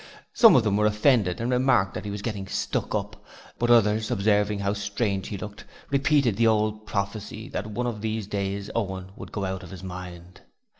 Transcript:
Some of them were offended and remarked that he was getting stuck up, but others, observing how strange he looked, repeated the old prophecy that one of these days Owen would go out of his mind.